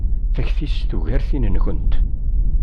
Takti-s tugar tin-nkent.